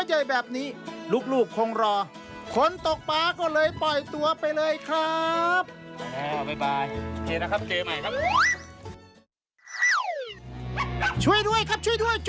ช่วยด้วยครับช่วยด้วยครับ